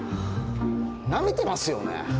なめてますよね。